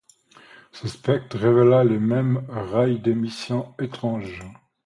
Ce spectre révéla les mêmes raies d’émission étranges.